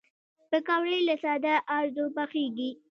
پکورې له ساده آردو پخېږي